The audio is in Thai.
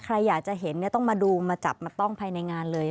ใครอยากจะเห็นเนี่ยต้องมาดูมาจับมาต้องภายในงานเลย